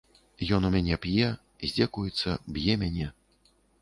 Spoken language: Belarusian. Ён у мяне п'е, здзекуецца, б'е мяне.